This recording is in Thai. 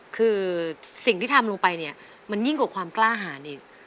คือสิ่งที่ทำลงไปเนี่ยมันยิ่งกว่าความกล้าหารอีก